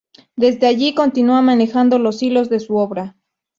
Desde allí continúa manejando los hilos de su obra.